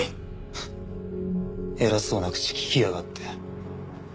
ハッ偉そうな口利きやがって。